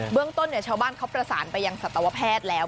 เรื่องต้นชาวบ้านเขาประสานไปยังสัตวแพทย์แล้ว